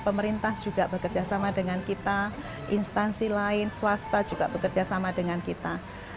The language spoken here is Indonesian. pemerintah juga bekerjasama dengan kita instansi lain swasta juga bekerja sama dengan kita